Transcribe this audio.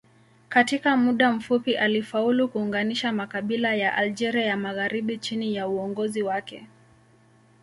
Katika muda mfupi alifaulu kuunganisha makabila ya Algeria ya magharibi chini ya uongozi wake.